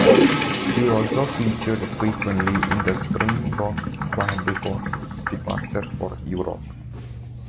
He also featured frequently in the Springbok squad before his departure for Europe.